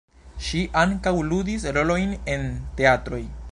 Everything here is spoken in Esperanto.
Ŝi ankaŭ ludis rolojn en teatroj.